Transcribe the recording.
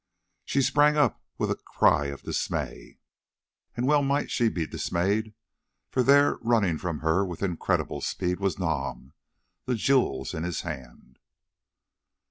She sprang up with a cry of dismay, and well might she be dismayed, for there, running from her with incredible speed, was Nam, the jewels in his hand.